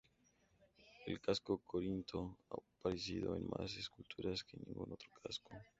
El casco corinto ha aparecido en más esculturas que ningún otro casco.